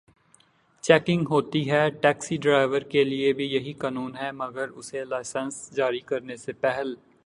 Checking ہوتی ہے۔ Taxi driver کے لیے بھی یہی قانون ہے مگر اسے لائسنس جاری کرنے سے پہل